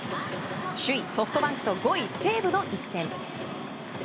首位ソフトバンクと５位、西武の一戦。